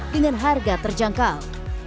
dengan harga terjangkau